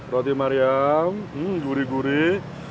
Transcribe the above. roti mariam gurih gurih